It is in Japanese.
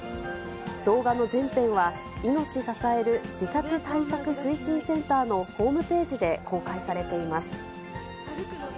動画の全編は、いのち支える自殺対策推進センターのホームページで公開されています。